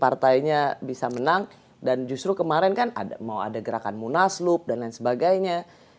partainya bisa menang dan justru kemarin kan mau ada gerakan munaslup dan lain sebagainya